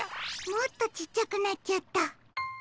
もっとちっちゃくなっちゃった。